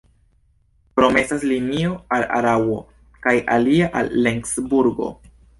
Krome estas linio al Araŭo kaj alia al Lencburgo.